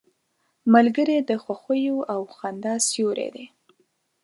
ملګری د خوښیو او خندا سیوری دی